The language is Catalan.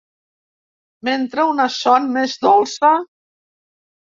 M'entra una son més dolça!